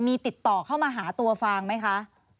มีติดต่อเข้ามาหาตัวฟางไหมคะ